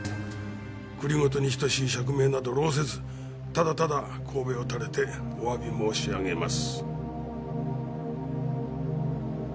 「繰り言に等しい釈明など労せずただただ首を垂れてお詫び申し上げます」